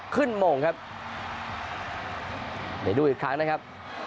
โมงครับเดี๋ยวดูอีกครั้งนะครับ